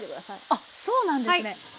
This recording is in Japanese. あっそうなんですね。